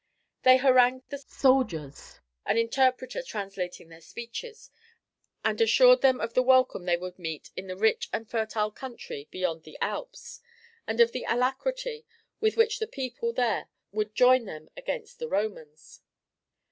They harangued the soldiers, an interpreter translating their speeches, and assured them of the welcome they would meet in the rich and fertile country beyond the Alps, and of the alacrity with which the people there would join them against the Romans.